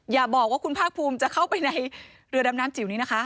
อย่าบอกว่าคุณภาคภูมิจะเข้าไปในเรือดำน้ำจิ๋วนี้นะคะ